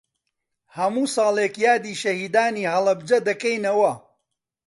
هەموو ساڵێک یادی شەهیدانی هەڵەبجە دەکەینەوە.